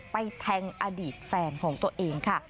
แทงอดีตแฟนของตัวเองค่ะ